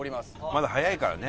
まだ早いからね。